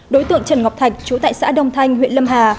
đối tượng trần ngọc thạch trú tại xã đông thanh huyện lâm hà